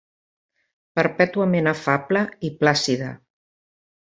Perpètuament afable i plàcida